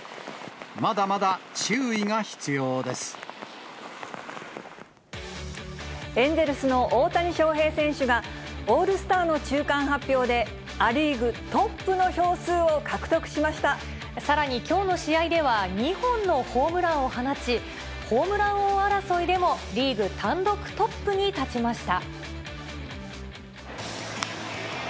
まだまだ注意が必エンゼルスの大谷翔平選手が、オールスターの中間発表で、ア・リーグトップの票数を獲得しさらに、きょうの試合では２本のホームランを放ち、ホームラン王争いでもリーグ単独トップに立ちました。